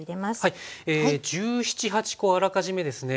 １７１８コあらかじめですね